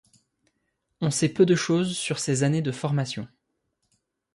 On sait peu de choses sur ses années de formation.